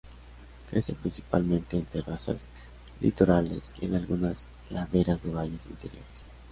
Crece principalmente en terrazas litorales y en algunas laderas de valles interiores.